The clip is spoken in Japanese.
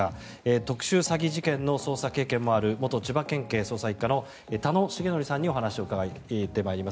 特殊詐欺事件の捜査経験もある元千葉県警捜査１課の田野重徳さんにお話を伺ってまいります。